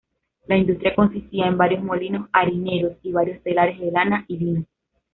La industria consistía en varios molinos harineros y varios telares de lana y lino.